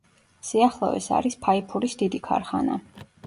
სიახლოვეს არის ფაიფურის დიდი ქარხანა.